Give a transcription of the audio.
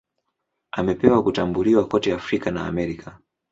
Amepata kutambuliwa kote Afrika na Amerika.